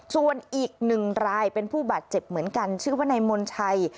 ส่วนอีกหนึ่งรายเป็นผู้บาดเจ็บเหมือนกันชื่อว่านายมนชัย